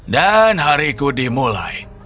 dan hariku dimulai